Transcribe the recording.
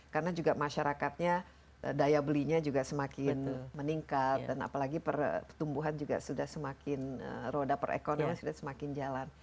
karena juga masyarakatnya daya belinya juga semakin meningkat dan apalagi pertumbuhan juga sudah semakin roda perekonomian sudah semakin jalan